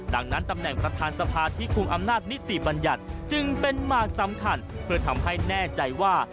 ดังนั้นตำแหน่งประธานสภาที่คุมอำนาจนิติบัญญัติจึงเป็นมากสำคัญเพื่อทำให้แน่ใจว่า